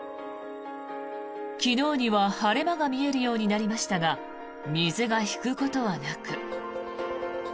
昨日には晴れ間が見えるようになりましたが水が引くことはなく。